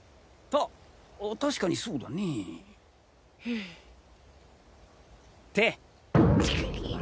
確かにそうだねぇ。って。